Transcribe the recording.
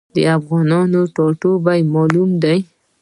د افغانانو ټاټوبی معلوم دی.